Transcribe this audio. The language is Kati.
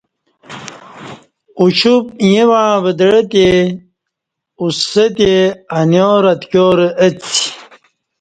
اُوشُپ ییں وعݩتے اُوستی انیارہ اتکیارہ اہڅی